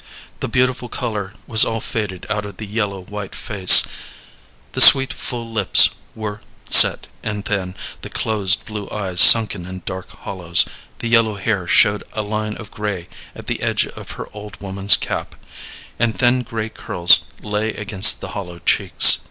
The beautiful color was all faded out of the yellow white face; the sweet full lips were set and thin; the closed blue eyes sunken in dark hollows; the yellow hair showed a line of gray at the edge of her old woman's cap, and thin gray curls lay against the hollow cheeks.